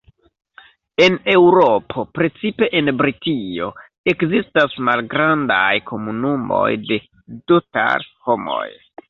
En Eŭropo, precipe en Britio, ekzistas malgrandaj komunumoj de Dhothar-homoj.